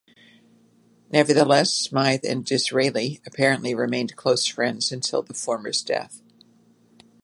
Nevertheless, Smythe and Disraeli apparently remained close friends until the former's death.